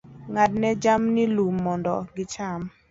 Ng'adne jamni lum mondo gicham.